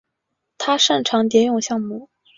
他擅长蝶泳项目。